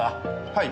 はい。